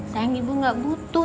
sayang ibu gak butuh